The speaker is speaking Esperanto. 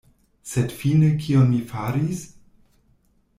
Sed fine kion mi faris?